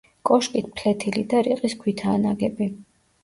კოშკი ფლეთილი და რიყის ქვითაა ნაგები.